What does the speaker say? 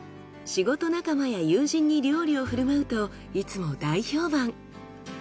仕事仲間や友人に料理を振る舞うといつも大評判。